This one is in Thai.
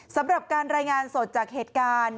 สำหรับการรายงานสดจากเหตุการณ์